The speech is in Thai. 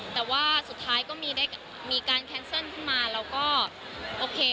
แต่ว่าสุดท้ายก็มีการแคนเซิลขึ้นมาเราก็โอเค